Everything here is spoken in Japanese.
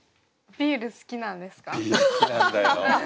ビール好きなんだよ。